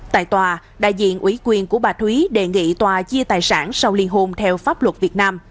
tại tòa đại diện ủy quyền của bà thúy đề nghị tòa chia tài sản sau liên hôn theo pháp luật việt nam